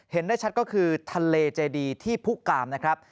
ได้ชัดก็คือทะเลเจดีที่ผู้กามนะครับ